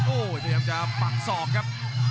โอ้ยเดี๋ยวยังจะปักศอกครับ